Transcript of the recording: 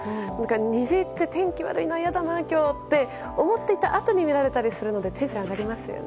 虹って、天気悪いな嫌だな今日って思っていたあとに見られたりするのでテンション上がりますよね。